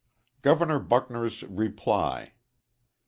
_Governor Buckner's Reply.